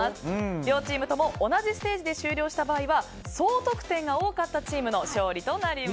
両チームとも同じステージで終了した場合は総得点が多かったチームの勝利となります。